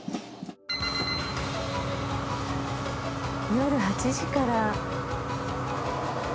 夜８時から。